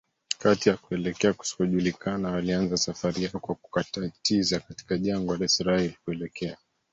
kati ya kuelekea kusikojulikana Walianza safari yao kwa kukatiza katika jangwa la Israel kuelekea